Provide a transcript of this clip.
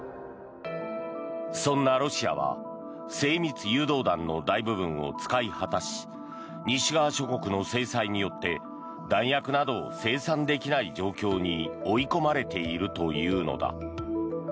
そんなロシアは精密誘導弾の大部分を使い果たし西側諸国の制裁によって弾薬などを生産できない状況に追い込まれているというのだ。